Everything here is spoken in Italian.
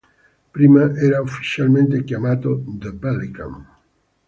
Prima era ufficialmente chiamato "The Pelican".